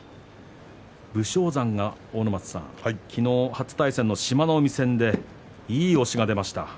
武将山が昨日、初対戦の志摩ノ海戦でいい押しが出ました。